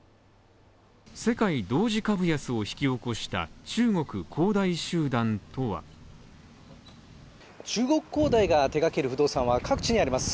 世界同時株安を引き落とした中国恒大集団とは中国恒大が手がける不動産は各地にあります。